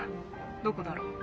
どこだろ？